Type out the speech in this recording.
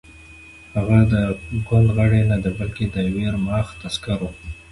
هغه د ګوند غړی نه دی بلکې د ویرماخت عسکر و